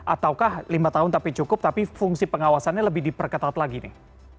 ataukah lima tahun tapi cukup tapi fungsi pengawasannya lebih diperketat lagi nih